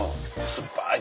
酸っぱい？